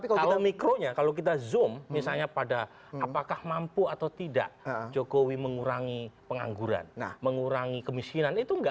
kalau mikronya kalau kita zoom misalnya pada apakah mampu atau tidak jokowi mengurangi pengangguran mengurangi kemiskinan itu enggak